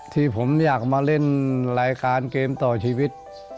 ที่ผมอยากมาเล่นรายการเกมต่อชีวิต